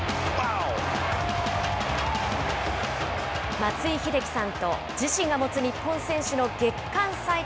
松井秀喜さんと自身が持つ日本選手の月間最多